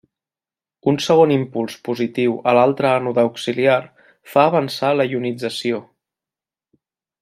Un segon impuls positiu a l'altre ànode auxiliar fa avançar la ionització.